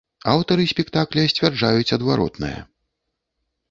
Аўтары спектакля сцвярджаюць адваротнае.